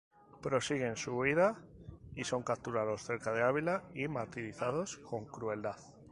Prosiguen su huida y son capturados cerca de Ávila y martirizados con crueldad.